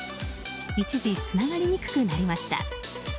一時つながりにくくなりました。